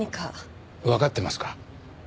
わかってますか？